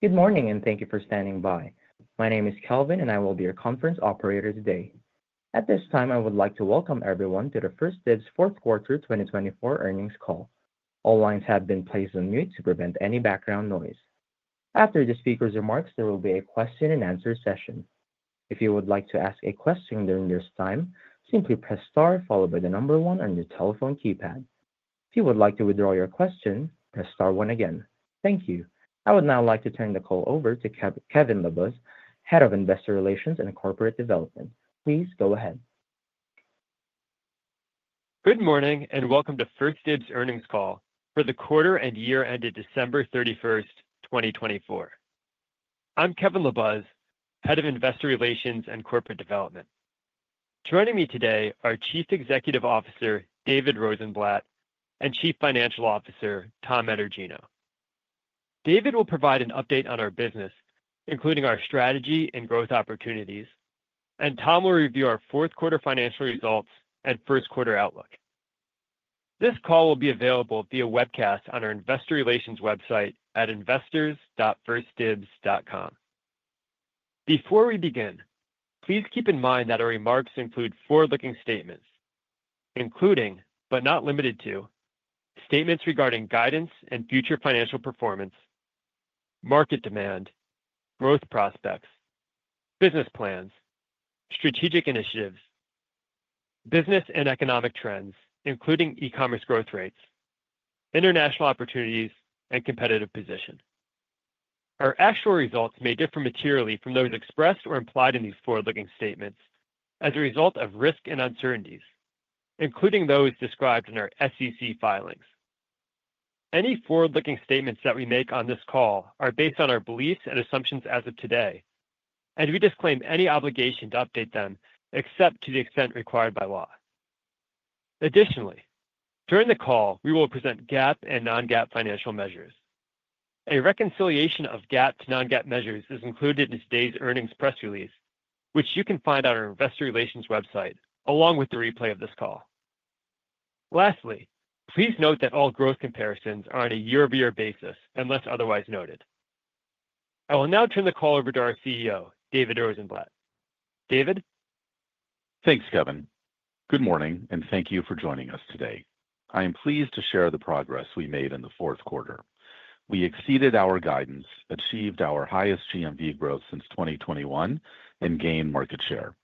Good morning, and thank you for standing by. My name is Kelvin, and I will be your conference operator today. At this time, I would like to welcome everyone to the 1stDibs Q4 2024 Earnings Call. All lines have been placed on mute to prevent any background noise. After the speaker's remarks, there will be a question-and-answer session. If you would like to ask a question during this time, simply press star followed by the number one on your telephone keypad. If you would like to withdraw your question, press star one again. Thank you. I would now like to turn the call over to Kevin LaBuz, Head of Investor Relations and Corporate Development. Please go ahead. Good morning, and welcome to 1stDibs earnings call for the quarter and year ended December 31st, 2024. I'm Kevin LaBuz, Head of Investor Relations and Corporate Development. Joining me today are Chief Executive Officer David Rosenblatt and Chief Financial Officer Tom Etergino. David will provide an update on our business, including our strategy and growth opportunities, and Tom will review our Q4 financial results and Q1 outlook. This call will be available via webcast on our investor relations website at investors.1stdibs.com. Before we begin, please keep in mind that our remarks include forward-looking statements, including, but not limited to, statements regarding guidance and future financial performance, market demand, growth prospects, business plans, strategic initiatives, business and economic trends, including e-commerce growth rates, international opportunities, and competitive position. Our actual results may differ materially from those expressed or implied in these forward-looking statements as a result of risk and uncertainties, including those described in our SEC filings. Any forward-looking statements that we make on this call are based on our beliefs and assumptions as of today, and we disclaim any obligation to update them except to the extent required by law. Additionally, during the call, we will present GAAP and non-GAAP financial measures. A reconciliation of GAAP to non-GAAP measures is included in today's earnings press release, which you can find on our investor relations website along with the replay of this call. Lastly, please note that all growth comparisons are on a year-over-year basis unless otherwise noted. I will now turn the call over to our CEO, David Rosenblatt. David. Thanks, Kevin. Good morning, and thank you for joining us today. I am pleased to share the progress we made in the Q4. We exceeded our guidance, achieved our highest GMV growth since 2021, and gained market share.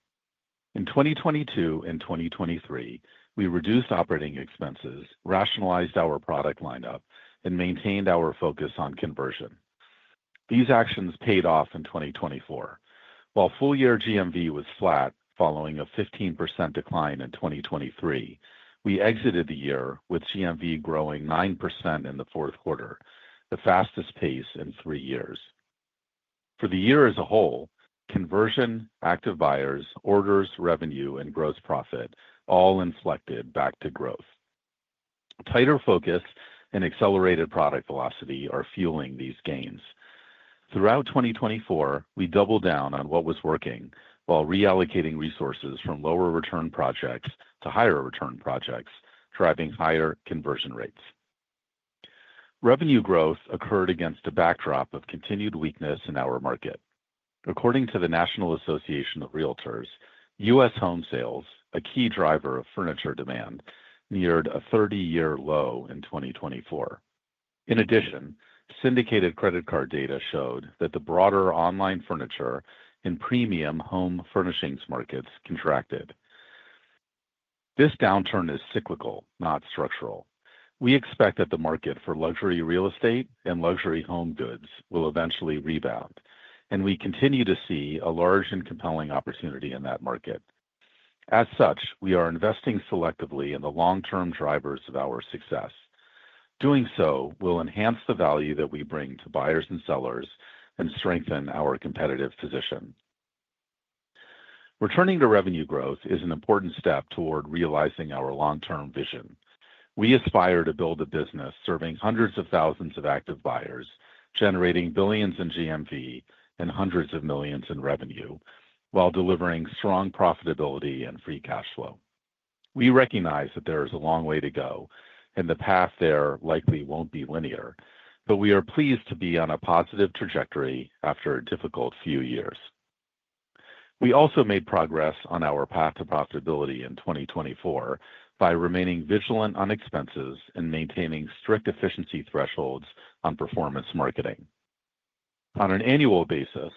In 2022 and 2023, we reduced operating expenses, rationalized our product lineup, and maintained our focus on conversion. These actions paid off in 2024. While full-year GMV was flat following a 15% decline in 2023, we exited the year with GMV growing 9% in the Q4, the fastest pace in three years. For the year as a whole, conversion, active buyers, orders, revenue, and gross profit all inflected back to growth. Tighter focus and accelerated product velocity are fueling these gains. Throughout 2024, we doubled down on what was working while reallocating resources from lower-return projects to higher-return projects, driving higher conversion rates. Revenue growth occurred against a backdrop of continued weakness in our market. According to the National Association of Realtors, U.S. home sales, a key driver of furniture demand, neared a 30-year low in 2024. In addition, syndicated credit card data showed that the broader online furniture and premium home furnishings markets contracted. This downturn is cyclical, not structural. We expect that the market for luxury real estate and luxury home goods will eventually rebound, and we continue to see a large and compelling opportunity in that market. As such, we are investing selectively in the long-term drivers of our success. Doing so will enhance the value that we bring to buyers and sellers and strengthen our competitive position. Returning to revenue growth is an important step toward realizing our long-term vision. We aspire to build a business serving hundreds of thousands of active buyers, generating billions in GMV and hundreds of millions in revenue, while delivering strong profitability and free cash flow. We recognize that there is a long way to go, and the path there likely will not be linear, but we are pleased to be on a positive trajectory after a difficult few years. We also made progress on our path to profitability in 2024 by remaining vigilant on expenses and maintaining strict efficiency thresholds on performance marketing. On an annual basis,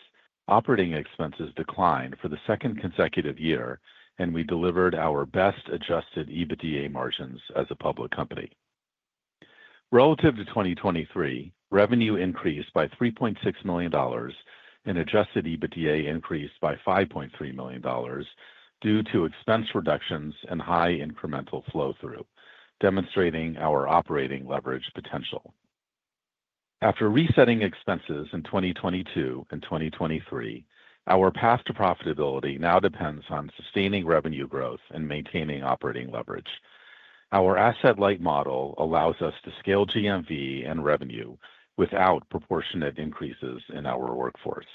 operating expenses declined for the second consecutive year, and we delivered our best Adjusted EBITDA margins as a public company. Relative to 2023, revenue increased by $3.6 million and Adjusted EBITDA increased by $5.3 million due to expense reductions and high incremental flow-through, demonstrating our operating leverage potential. After resetting expenses in 2022 and 2023, our path to profitability now depends on sustaining revenue growth and maintaining operating leverage. Our asset-light model allows us to scale GMV and revenue without proportionate increases in our workforce.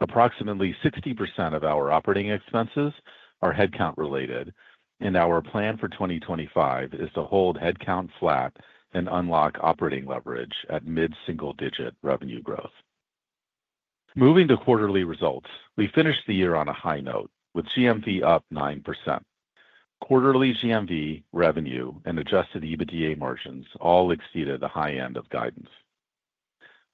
Approximately 60% of our operating expenses are headcount-related, and our plan for 2025 is to hold headcount flat and unlock operating leverage at mid-single-digit revenue growth. Moving to quarterly results, we finished the year on a high note, with GMV up 9%. Quarterly GMV, revenue, and Adjusted EBITDA margins all exceeded the high-end of guidance.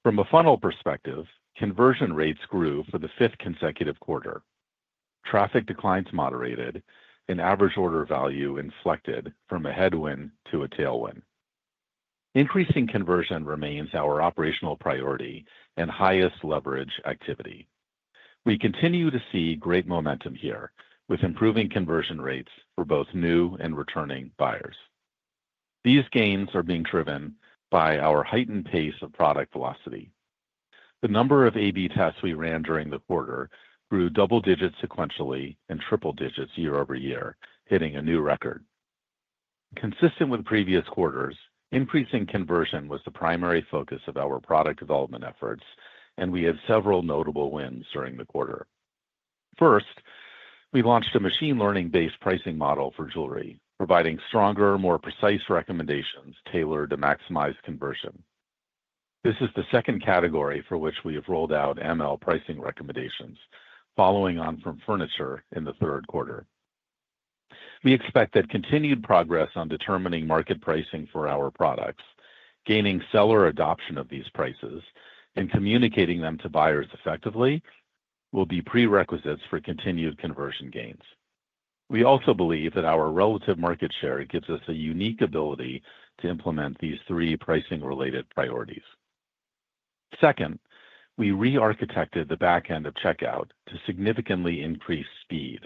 From a funnel perspective, conversion rates grew for the fifth consecutive quarter. Traffic declines moderated, and average order value inflected from a headwind to a tailwind. Increasing conversion remains our operational priority and highest leverage activity. We continue to see great momentum here, with improving conversion rates for both new and returning buyers. These gains are being driven by our heightened pace of product velocity. The number of A/B tests we ran during the quarter grew double-digits sequentially and triple-digits year-over-year, hitting a new record. Consistent with previous quarters, increasing conversion was the primary focus of our product development efforts, and we had several notable wins during the quarter. First, we launched a machine learning-based pricing model for Jewelry, providing stronger, more precise recommendations tailored to maximize conversion. This is the second category for which we have rolled out ML pricing recommendations, following on from furniture in the Q3. We expect that continued progress on determining market pricing for our products, gaining seller adoption of these prices, and communicating them to buyers effectively will be prerequisites for continued conversion gains. We also believe that our relative market share gives us a unique ability to implement these three pricing-related priorities. Second, we re-architected the backend of checkout to significantly increase speed,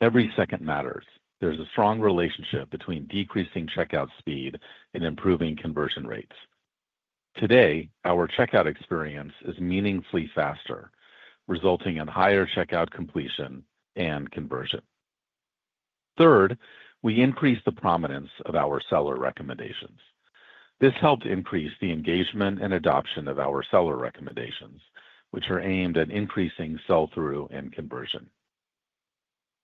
every second matters. There's a strong relationship between decreasing checkout speed and improving conversion rates. Today, our checkout experience is meaningfully faster, resulting in higher checkout completion and conversion. Third, we increased the prominence of our seller recommendations. This helped increase the engagement and adoption of our seller recommendations, which are aimed at increasing sell-through and conversion.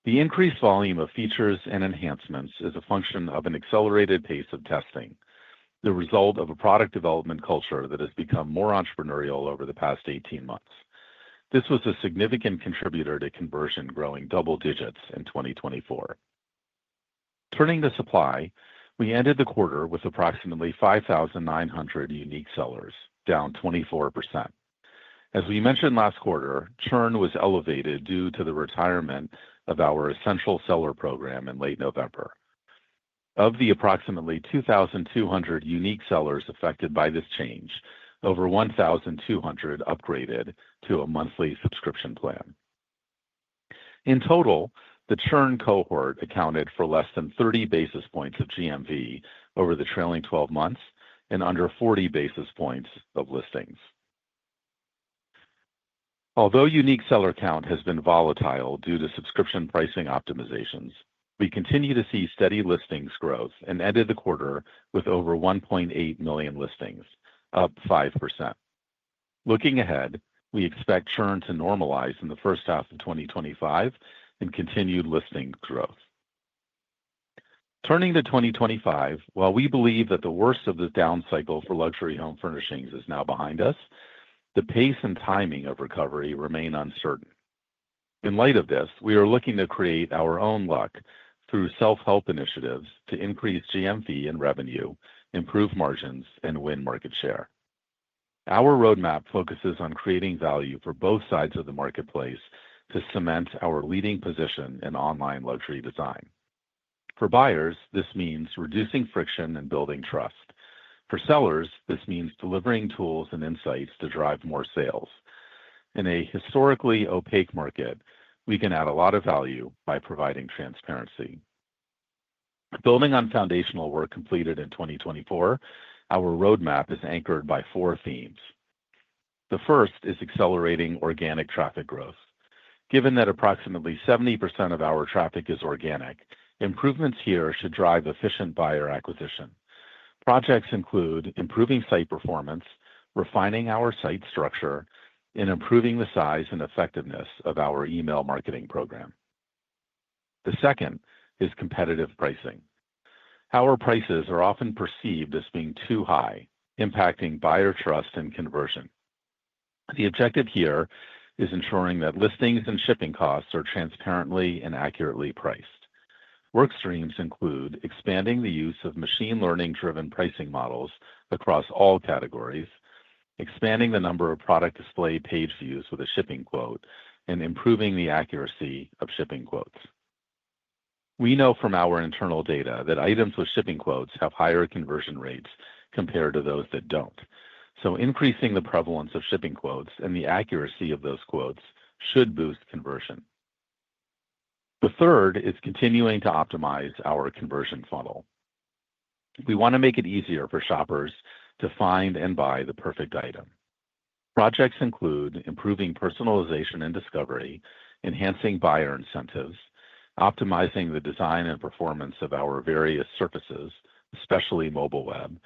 The increased volume of features and enhancements is a function of an accelerated pace of testing, the result of a product development culture that has become more entrepreneurial over the past 18 months. This was a significant contributor to conversion growing double digits in 2024. Turning to supply, we ended the quarter with approximately 5,900 unique sellers, down 24%. As we mentioned last quarter, churn was elevated due to the retirement of our Essential Seller program in late November. Of the approximately 2,200 unique sellers affected by this change, over 1,200 upgraded to a monthly subscription plan. In total, the churn cohort accounted for less than 30 basis points of GMV over the trailing 12 months and under 40 basis points of listings. Although unique seller count has been volatile due to subscription pricing optimizations, we continue to see steady listings growth and ended the quarter with over 1.8 million listings, up 5%. Looking ahead, we expect churn to normalize in the first half of 2025 and continued listing growth. Turning to 2025, while we believe that the worst of the down cycle for luxury home furnishings is now behind us, the pace and timing of recovery remain uncertain. In light of this, we are looking to create our own luck through self-help initiatives to increase GMV and revenue, improve margins, and win market share. Our roadmap focuses on creating value for both sides of the marketplace to cement our leading position in online luxury design. For buyers, this means reducing friction and building trust. For sellers, this means delivering tools and insights to drive more sales. In a historically opaque market, we can add a lot of value by providing transparency. Building on foundational work completed in 2024, our roadmap is anchored by four themes. The first is accelerating organic traffic growth. Given that approximately 70% of our traffic is organic, improvements here should drive efficient buyer acquisition. Projects include improving site performance, refining our site structure, and improving the size and effectiveness of our email marketing program. The second is competitive pricing. Our prices are often perceived as being too high, impacting buyer trust and conversion. The objective here is ensuring that listings and shipping costs are transparently and accurately priced. Work streams include expanding the use of machine-learning-driven pricing models across all categories, expanding the number of product display page views with a shipping quote, and improving the accuracy of shipping quotes. We know from our internal data that items with shipping quotes have higher conversion rates compared to those that don't. Increasing the prevalence of shipping quotes and the accuracy of those quotes should boost conversion. The third is continuing to optimize our conversion funnel. We want to make it easier for shoppers to find and buy the perfect item. Projects include improving personalization and discovery, enhancing buyer incentives, optimizing the design and performance of our various services, especially mobile web,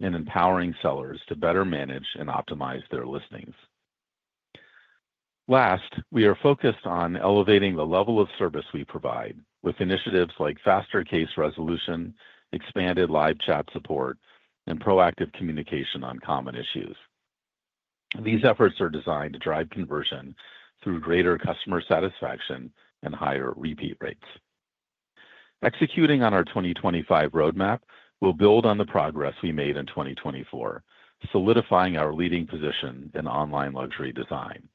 and empowering sellers to better manage and optimize their listings. Last, we are focused on elevating the level of service we provide with initiatives like faster case resolution, expanded live chat support, and proactive communication on common issues. These efforts are designed to drive conversion through greater customer satisfaction and higher repeat rates. Executing on our 2025 roadmap, we'll build on the progress we made in 2024, solidifying our leading position in online luxury design.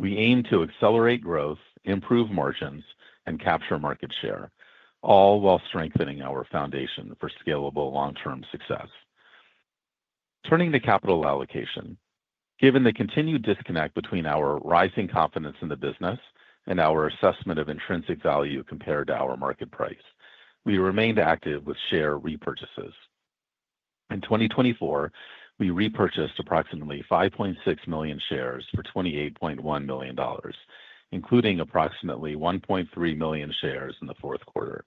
We aim to accelerate growth, improve margins, and capture market share, all while strengthening our foundation for scalable long-term success. Turning to capital allocation, given the continued disconnect between our rising confidence in the business and our assessment of intrinsic value compared to our market price, we remained active with share repurchases. In 2024, we repurchased approximately 5.6 million shares for $28.1 million, including approximately 1.3 million shares in the Q4.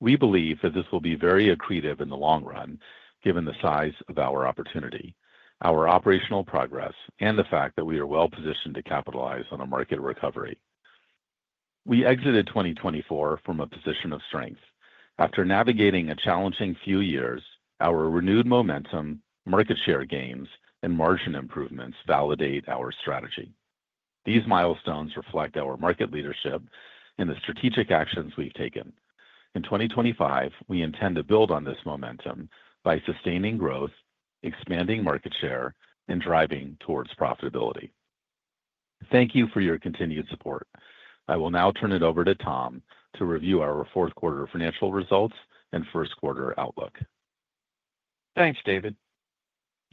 We believe that this will be very accretive in the long run, given the size of our opportunity, our operational progress, and the fact that we are well-positioned to capitalize on a market recovery. We exited 2024 from a position of strength. After navigating a challenging few years, our renewed momentum, market share gains, and margin improvements validate our strategy. These milestones reflect our market leadership and the strategic actions we have taken. In 2025, we intend to build on this momentum by sustaining growth, expanding market share, and driving towards profitability. Thank you for your continued support. I will now turn it over to Tom to review our Q4 financial results and Q1 outlook. Thanks,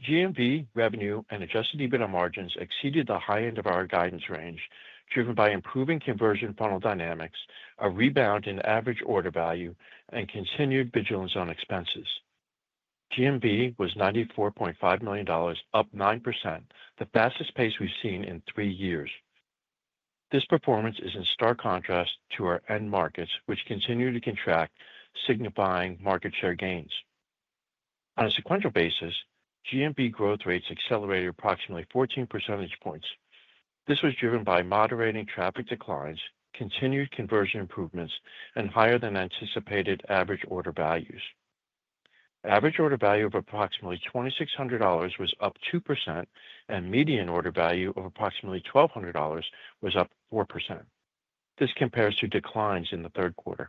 David. GMV, revenue, and Adjusted EBITDA margins exceeded the high end of our guidance range, driven by improving conversion funnel dynamics, a rebound in average order value, and continued vigilance on expenses. GMV was $94.5 million, up 9%, the fastest pace we've seen in three years. This performance is in stark contrast to our end markets, which continue to contract, signifying market share gains. On a sequential basis, GMV growth rates accelerated approximately 14 percentage points. This was driven by moderating traffic declines, continued conversion improvements, and higher-than-anticipated average order values. Average order value of approximately $2,600 was up 2%, and median order value of approximately $1,200 was up 4%. This compares to declines in the Q3.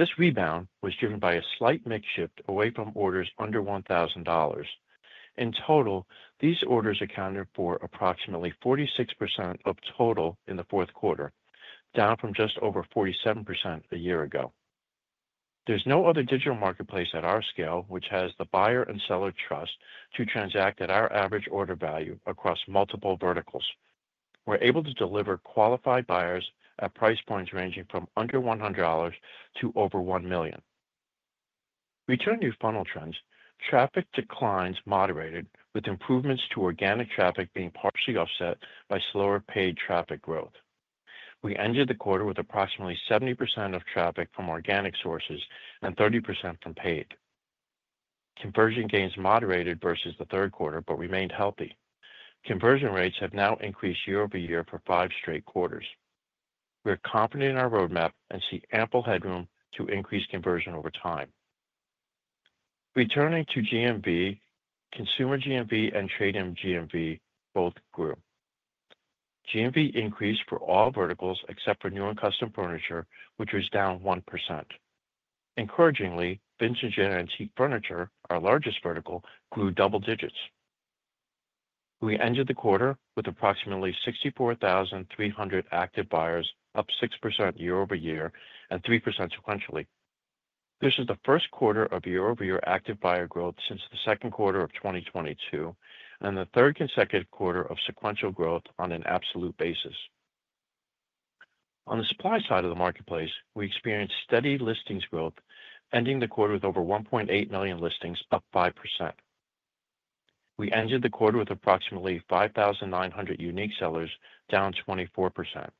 This rebound was driven by a slight mix shift away from orders under $1,000. In total, these orders accounted for approximately 46% of total in the Q4, down from just over 47% a year ago. There's no other digital marketplace at our scale which has the buyer and seller trust to transact at our average order value across multiple verticals. We're able to deliver qualified buyers at price points ranging from under $100 to over $1 million. Returning to funnel trends, traffic declines moderated, with improvements to organic traffic being partially offset by slower paid traffic growth. We ended the quarter with approximately 70% of traffic from organic sources and 30% from paid. Conversion gains moderated versus the Q3 but remained healthy. Conversion rates have now increased year-over-year for five straight quarters. We're confident in our roadmap and see ample headroom to increase conversion over time. Returning to GMV, consumer GMV and trade-in GMV both grew. GMV increased for all verticals except for new and custom furniture, which was down 1%. Encouragingly, vintage and antique furniture, our largest vertical, grew double-digits. We ended the quarter with approximately 64,300 active buyers, up 6% year-over-year and 3% sequentially. This is the Q1 of year-over-year active buyer growth since the Q2 of 2022 and the third consecutive quarter of sequential growth on an absolute basis. On the supply side of the marketplace, we experienced steady listings growth, ending the quarter with over 1.8 million listings, up 5%. We ended the quarter with approximately 5,900 unique sellers, down 24%.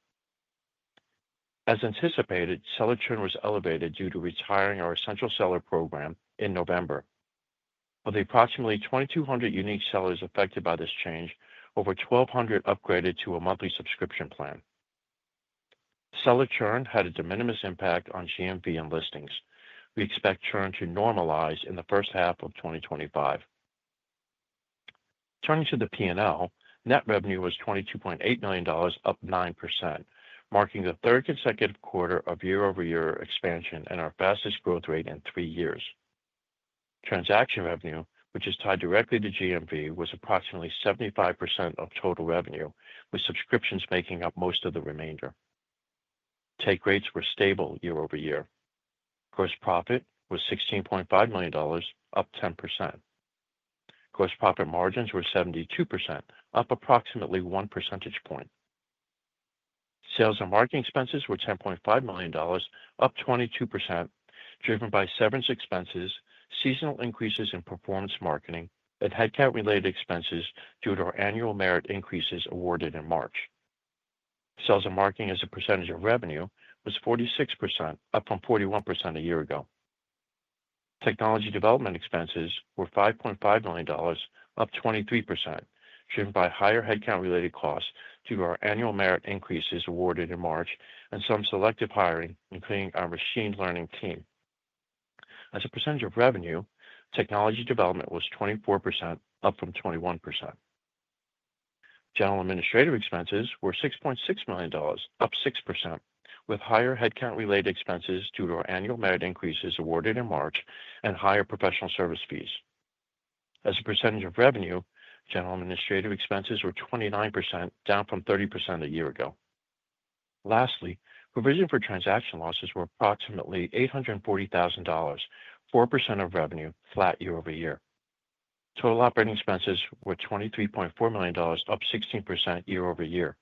As anticipated, seller churn was elevated due to retiring our essential seller program in November. Of the approximately 2,200 unique sellers affected by this change, over 1,200 upgraded to a monthly subscription plan. Seller churn had a de minimis impact on GMV and listings. We expect churn to normalize in the first half of 2025. Turning to the P&L, net revenue was $22.8 million, up 9%, marking the third consecutive quarter of year-over-year expansion and our fastest growth rate in three years. Transaction revenue, which is tied directly to GMV, was approximately 75% of total revenue, with subscriptions making up most of the remainder. Take rates were stable year-over-year. Gross profit was $16.5 million, up 10%. Gross profit margins were 72%, up approximately 1 percentage point. Sales and marketing expenses were $10.5 million, up 22%, driven by severance expenses, seasonal increases in performance marketing, and headcount-related expenses due to our annual merit increases awarded in March. Sales and marketing as a percentage of revenue was 46%, up from 41% a year ago. Technology development expenses were $5.5 million, up 23%, driven by higher headcount-related costs due to our annual merit increases awarded in March and some selective hiring, including our machine learning team. As a percentage of revenue, technology development was 24%, up from 21%. General administrative expenses were $6.6 million, up 6%, with higher headcount-related expenses due to our annual merit increases awarded in March and higher professional service fees. As a percentage of revenue, general administrative expenses were 29%, down from 30% a year ago. Lastly, provision for transaction losses were approximately $840,000, 4% of revenue, flat year-over-year. Total operating expenses were $23.4 million, up 16% year-over-year.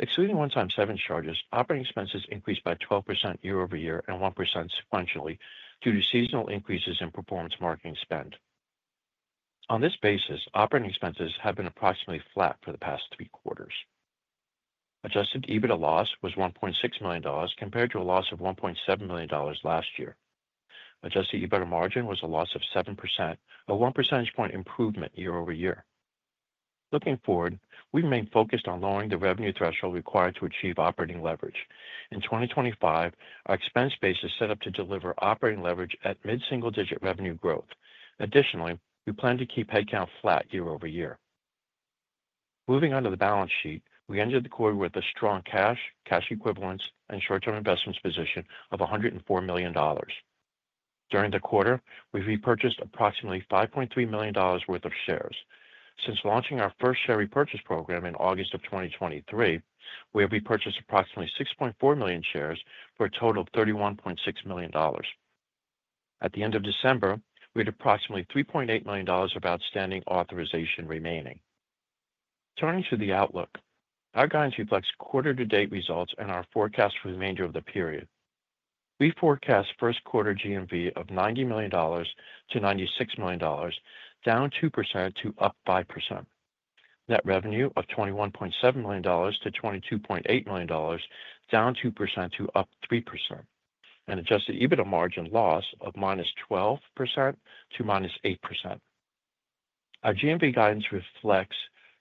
Excluding one-time severance charges, operating expenses increased by 12% year-over-year and 1% sequentially due to seasonal increases in performance marketing spend. On this basis, operating expenses have been approximately flat for the past three quarters. Adjusted EBITDA loss was $1.6 million compared to a loss of $1.7 million last year. Adjusted EBITDA margin was a loss of 7%, a 1 percentage point improvement year-over-year. Looking forward, we remain focused on lowering the revenue threshold required to achieve operating leverage. In 2025, our expense base is set up to deliver operating leverage at mid-single-digit revenue growth. Additionally, we plan to keep headcount flat year-over-year. Moving on to the balance sheet, we ended the quarter with a strong cash, cash equivalents, and short-term investments position of $104 million. During the quarter, we repurchased approximately $5.3 million worth of shares. Since launching our first share repurchase program in August of 2023, we have repurchased approximately 6.4 million shares for a total of $31.6 million. At the end of December, we had approximately $3.8 million of outstanding authorization remaining. Turning to the outlook, our guidance reflects quarter-to-date results and our forecast for the remainder of the period. We forecast Q1 GMV of $90 million-$96 million, down 2% to up 5%. Net revenue of $21.7 million-$22.8 million, down 2% to up 3%. Adjusted EBITDA margin loss of -12% to -8%. Our GMV guidance reflects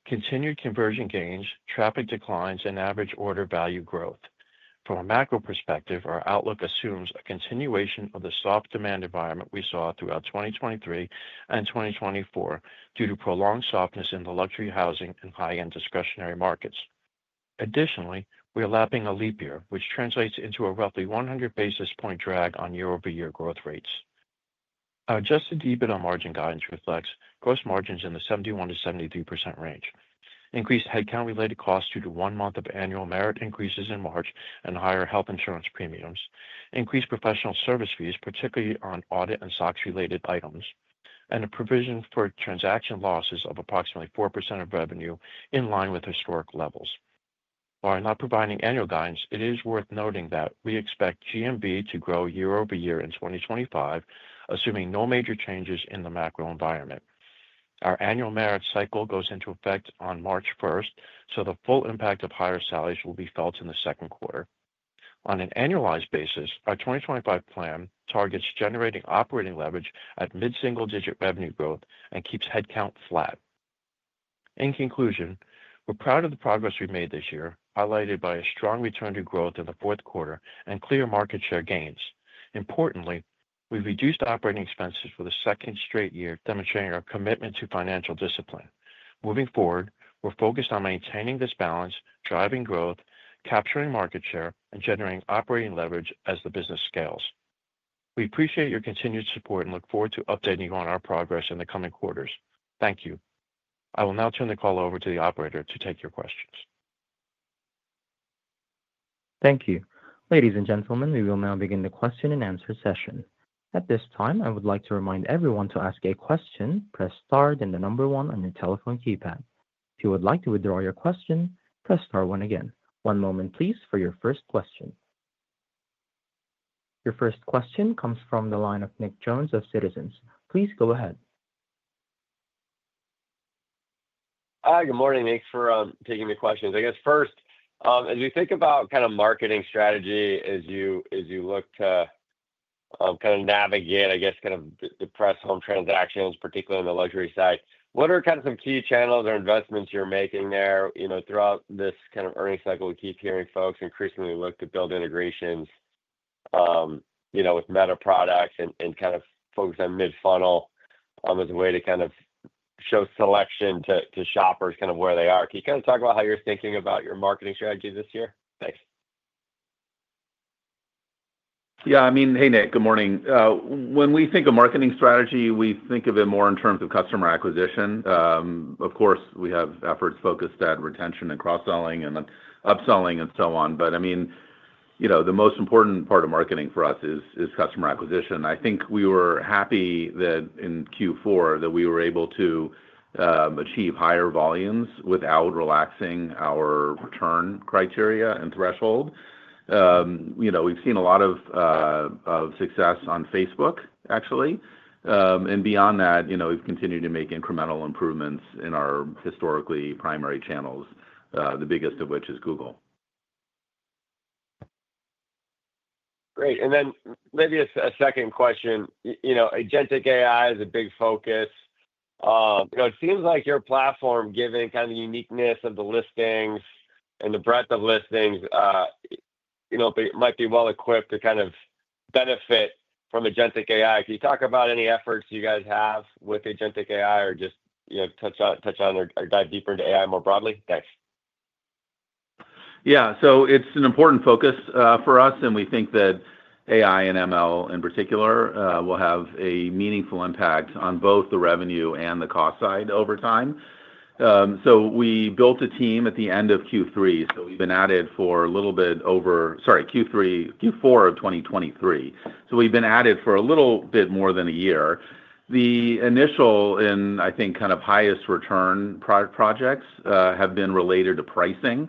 continued conversion gains, traffic declines, and average order value growth. From a macro perspective, our outlook assumes a continuation of the soft demand environment we saw throughout 2023 and 2024 due to prolonged softness in the luxury housing and high-end discretionary markets. Additionally, we are lapping a leap year, which translates into a roughly 100 basis point drag on year-over-year growth rates. Our Adjusted EBITDA margin guidance reflects gross margins in the 71%-73% range, increased headcount-related costs due to one month of annual merit increases in March and higher health insurance premiums, increased professional service fees, particularly on audit and SOX-related items, and a provision for transaction losses of approximately 4% of revenue in line with historic levels. While I'm not providing annual guidance, it is worth noting that we expect GMV to grow year-over-year in 2025, assuming no major changes in the macro environment. Our annual merit cycle goes into effect on March 1st, so the full impact of higher salaries will be felt in the Q2. On an annualized basis, our 2025 plan targets generating operating leverage at mid-single-digit revenue growth and keeps headcount flat. In conclusion, we're proud of the progress we've made this year, highlighted by a strong return to growth in the Q4 and clear market share gains. Importantly, we've reduced operating expenses for the second straight year, demonstrating our commitment to financial discipline. Moving forward, we're focused on maintaining this balance, driving growth, capturing market share, and generating operating leverage as the business scales. We appreciate your continued support and look forward to updating you on our progress in the coming quarters. Thank you. I will now turn the call over to the operator to take your questions. Thank you. Ladies and gentlemen, we will now begin the question and answer session. At this time, I would like to remind everyone to ask a question, press star and the number one on your telephone keypad. If you would like to withdraw your question, press star one again. One moment, please, for your first question. Your first question comes from the line of Nick Jones of Citizens. Please go ahead. Hi, good morning, and thank you for taking the questions. I guess first, as we think about kind of marketing strategy, as you look to kind of navigate, I guess, kind of the depressed home transactions, particularly on the luxury side, what are kind of some key channels or investments you're making there? Throughout this kind of earnings cycle, we keep hearing folks increasingly look to build integrations with Meta products and kind of focus on mid-funnel as a way to kind of show selection to shoppers kind of where they are. Can you kind of talk about how you're thinking about your marketing strategy this year? Thanks. Yeah, I mean, hey, Nick, good morning. When we think of marketing strategy, we think of it more in terms of customer acquisition. Of course, we have efforts focused at retention and cross-selling and upselling and so on. I mean, the most important part of marketing for us is customer acquisition. I think we were happy that in Q4 that we were able to achieve higher volumes without relaxing our return criteria and threshold. We've seen a lot of success on Facebook, actually. Beyond that, we've continued to make incremental improvements in our historically primary channels, the biggest of which is Google. Great. Maybe a second question. Agentic AI is a big focus. It seems like your platform, given kind of the uniqueness of the listings and the breadth of listings, might be well-equipped to kind of benefit from Agentic AI. Can you talk about any efforts you guys have with Agentic AI or just touch on or dive deeper into AI more broadly? Thanks. Yeah. It is an important focus for us, and we think that AI and ML in particular will have a meaningful impact on both the revenue and the cost side over time. We built a team at the end of Q4 of 2023. We have been at it for a little bit more than a year. The initial and, I think, kind of highest return projects have been related to pricing.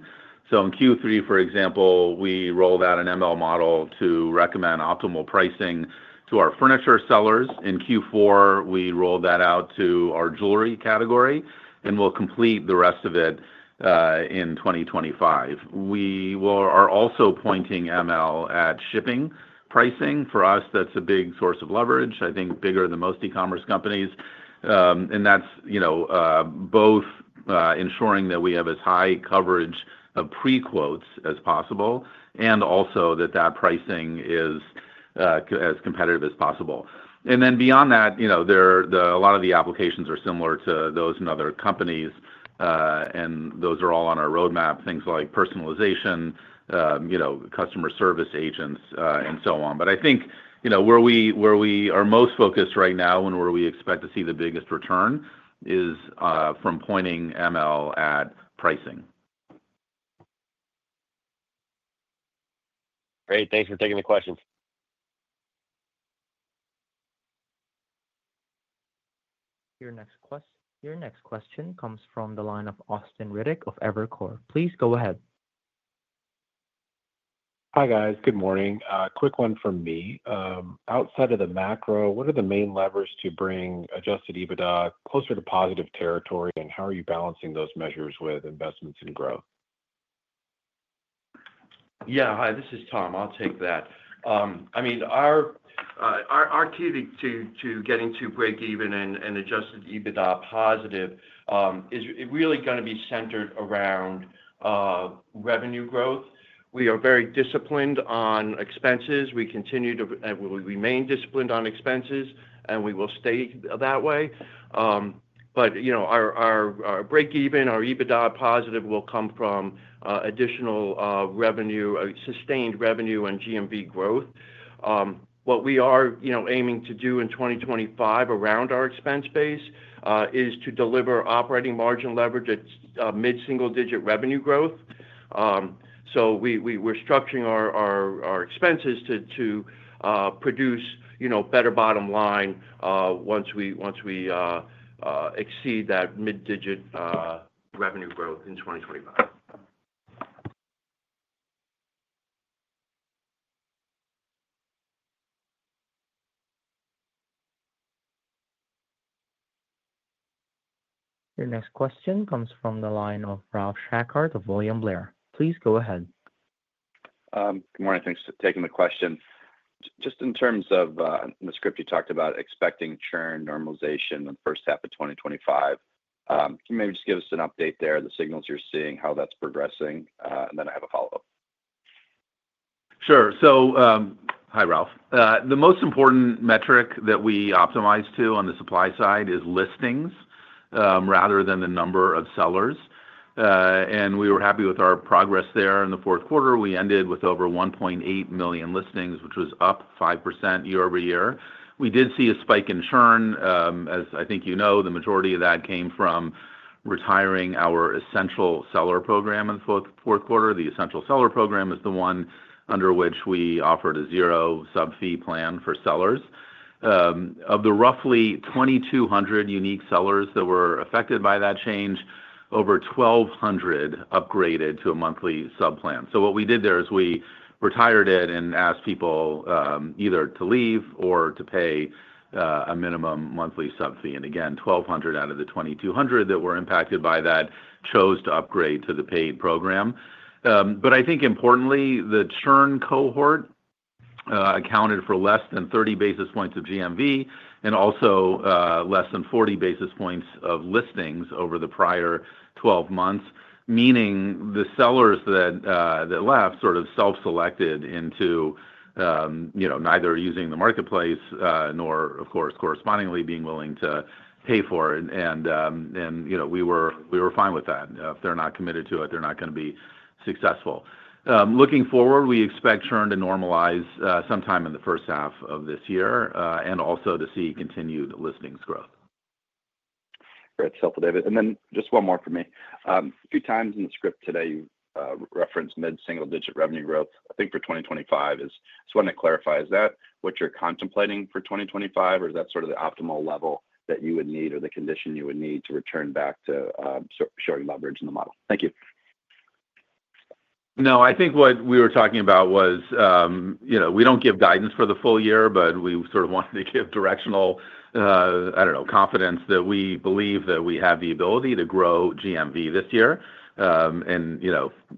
In Q3, for example, we rolled out an ML model to recommend optimal pricing to our furniture sellers. In Q4, we rolled that out to our Jewelry category, and we will complete the rest of it in 2025. We are also pointing ML at shipping pricing. For us, that is a big source of leverage, I think, bigger than most e-commerce companies. That is both ensuring that we have as high coverage of pre-quotes as possible and also that that pricing is as competitive as possible. Then beyond that, a lot of the applications are similar to those in other companies, and those are all on our roadmap, things like personalization, customer service agents, and so on. I think where we are most focused right now and where we expect to see the biggest return is from pointing ML at pricing. Great. Thanks for taking the questions. Your next question comes from the line of Austin Riddick of Evercore. Please go ahead. Hi guys. Good morning. Quick one from me. Outside of the macro, what are the main levers to bring Adjusted EBITDA closer to positive territory, and how are you balancing those measures with investments and growth? Yeah. Hi, this is Tom. I'll take that. I mean, our key to getting to break-even and Adjusted EBITDA positive is really going to be centered around revenue growth. We are very disciplined on expenses. We continue to and we will remain disciplined on expenses, and we will stay that way. Our break-even, our EBITDA positive will come from additional revenue, sustained revenue, and GMV growth. What we are aiming to do in 2025 around our expense base is to deliver operating margin leverage at mid-single-digit revenue growth. We are structuring our expenses to produce better bottom line once we exceed that mid-digit revenue growth in 2025. Your next question comes from the line of Ralph Schackart from William Blair. Please go ahead. Good morning. Thanks for taking the question. Just in terms of the script you talked about expecting churn normalization in the first half of 2025, can you maybe just give us an update there, the signals you're seeing, how that's progressing? I have a follow-up. Sure. Hi, Ralph. The most important metric that we optimize to on the supply side is listings rather than the number of sellers. We were happy with our progress there in the Q4. We ended with over 1.8 million listings, which was up 5% year-over-year. We did see a spike in churn. As I think you know, the majority of that came from retiring our essential seller program in the Q4. The essential seller program is the one under which we offered a zero sub-fee plan for sellers. Of the roughly 2,200 unique sellers that were affected by that change, over 1,200 upgraded to a monthly sub-plan. What we did there is we retired it and asked people either to leave or to pay a minimum monthly sub-fee. Again, 1,200 out of the 2,200 that were impacted by that chose to upgrade to the paid program. I think importantly, the churn cohort accounted for less than 30 basis points of GMV and also less than 40 basis points of listings over the prior 12 months, meaning the sellers that left sort of self-selected into neither using the marketplace nor of course correspondingly being willing to pay for it. We were fine with that. If they're not committed to it, they're not going to be successful. Looking forward, we expect churn to normalize sometime in the first half of this year and also to see continued listings growth. Great. That's helpful, David. Just one more for me. A few times in the script today, you referenced mid-single-digit revenue growth. I think for 2025 is just wanting to clarify, is that what you're contemplating for 2025, or is that sort of the optimal level that you would need or the condition you would need to return back to showing leverage in the model? Thank you. No, I think what we were talking about was we don't give guidance for the full year, but we sort of wanted to give directional, I don't know, confidence that we believe that we have the ability to grow GMV this year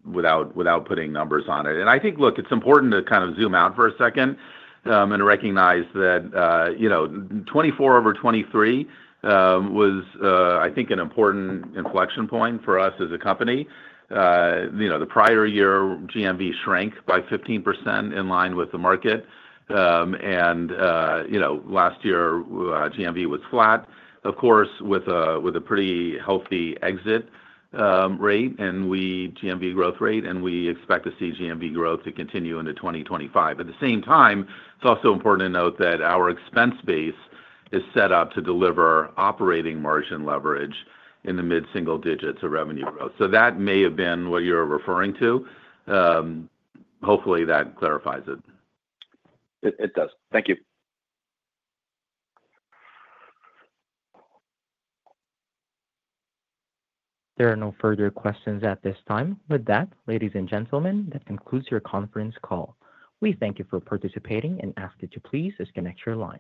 without putting numbers on it. I think, look, it's important to kind of zoom out for a second and recognize that 2024 over 2023 was, I think, an important inflection point for us as a company. The prior year, GMV shrank by 15% in line with the market. Last year, GMV was flat, of course, with a pretty healthy exit rate and GMV growth rate, and we expect to see GMV growth to continue into 2025. At the same time, it's also important to note that our expense base is set up to deliver operating margin leverage in the mid-single digits of revenue growth. That may have been what you're referring to. Hopefully, that clarifies it. It does. Thank you. There are no further questions at this time. With that, ladies and gentlemen, that concludes your conference call. We thank you for participating and ask you to please disconnect your line.